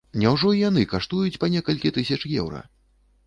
Няўжо і яны каштуюць па некалькі тысяч еўра?